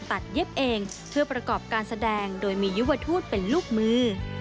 เย็บเองเพื่อประกอบการแสดงโดยมียุวทูตเป็นลูกมือ